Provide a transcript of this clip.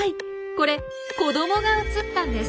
これ子どもが写ったんです。